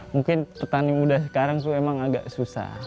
mungkin petani muda sekarang tuh emang agak susah